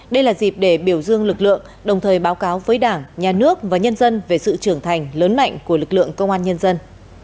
đây là dịp để biểu dương lực lượng đồng thời báo cáo với đảng nhà nước và nhân dân về sự trưởng thành lớn mạnh của lực lượng công an nhân dân